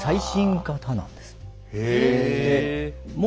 へえ。